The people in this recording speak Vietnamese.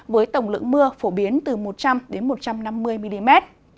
với tổng lượng mưa phổ biến từ một trăm linh một trăm năm mươi mm